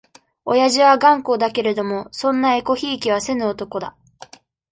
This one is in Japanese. おやじは頑固だけれども、そんなえこひいきはせぬ男だ。